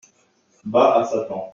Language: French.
Bas à sa tante.